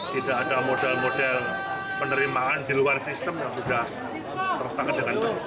tidak ada model model penerimaan di luar sistem yang sudah tertanggung jawab